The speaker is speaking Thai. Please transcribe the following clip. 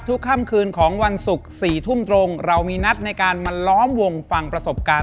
ค่ำคืนของวันศุกร์๔ทุ่มตรงเรามีนัดในการมาล้อมวงฟังประสบการณ์